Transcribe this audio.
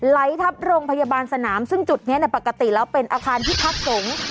ไหลทับโรงพยาบาลสนามซึ่งจุดนี้ปกติแล้วเป็นอาคารที่พักสงฆ์